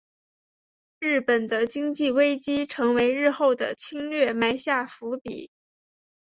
日本的经济危机成为日后的侵略埋下伏笔。